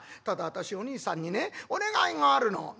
『ただ私おにいさんにねお願いがあるの』。